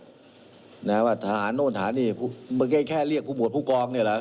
เห็นไหมว่าทหารนู้นทางนี้เคยเรียกบุควรผู้กองนี่หรอ